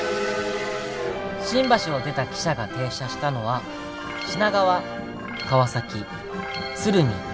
新橋を出た汽車が停車したのは品川川崎鶴見